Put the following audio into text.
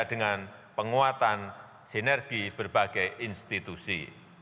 dengan penguatan sinergi berbagai institusi